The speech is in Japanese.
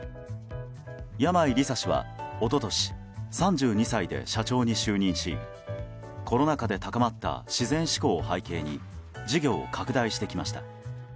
山井梨沙氏は一昨年３２歳で社長に就任しコロナ禍で高まった自然志向を背景に事業を拡大してきました。